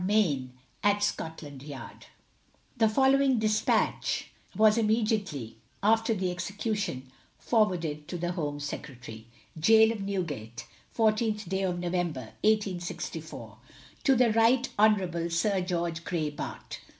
Mayne, at Scotland yard. The following despatch was immediately after the execution forwarded to the Home Secretary: "Gaol of Newgate, 14th day of November, 1864. "To the Right Hon. Sir George Grey, Bart.